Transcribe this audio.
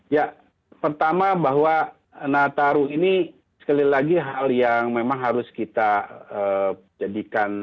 ya pertama bahwa nataru ini sekali lagi hal yang memang harus kita jadikan